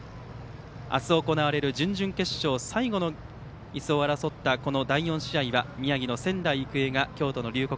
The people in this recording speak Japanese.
明日行われる準々決勝最後のいすを争ったこの第４試合は宮城の仙台育英が京都の龍谷